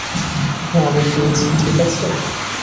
হ্যাঁ, আমি পেয়েছি, ঠিক আছে?